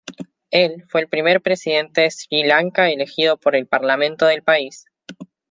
Él fue el primer presidente de Sri Lanka elegido por el parlamento del país.